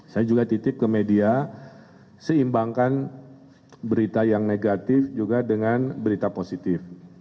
saya juga titip ke media seimbangkan berita yang negatif juga dengan berita positif